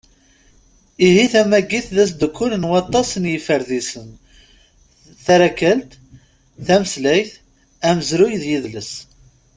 Ihi, tamagit d asddukel n waṭas n yiferdisen: tarakalt, tameslayt, amezruy d yedles.